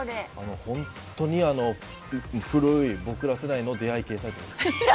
本当に古い僕ら世代の出会い系サイトです。